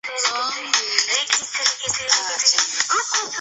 Aliniaibisha sana mbele ya kila mtu kwa kampuni